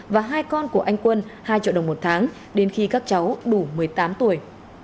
và hai con của anh quân hai triệu đồng một tháng đến khi các cháu đủ một mươi tám tuổi